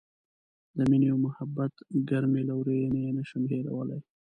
د مینې او محبت ګرمې لورینې یې نه شم هیرولای.